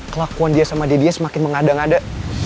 kelakuan dia sama dia semakin mengada ngada